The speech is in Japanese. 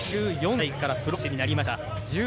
１４歳からプロ選手になりました。